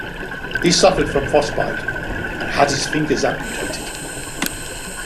He suffered from frostbite and had his fingers amputated.